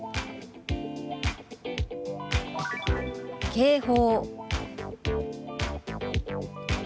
「警報」。